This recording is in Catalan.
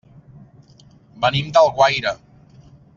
Venim d'Alguaire.